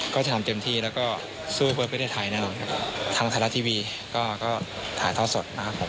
ก็จะทำเต็มที่แล้วก็สู้เพื่อประเทศไทยแน่นอนครับทางไทยรัฐทีวีก็ก็ถ่ายทอดสดนะครับผม